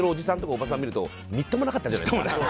おばさんとか見るとみっともなかったじゃない？